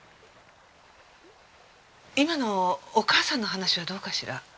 今のお母さんの話はどうかしら？